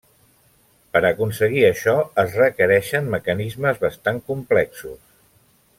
Per a aconseguir això es requereixen mecanismes bastant complexos.